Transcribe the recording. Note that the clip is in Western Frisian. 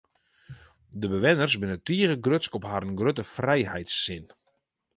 De bewenners binne tige grutsk op harren grutte frijheidssin.